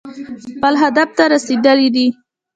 خپل هدف ته رسېدلي دي.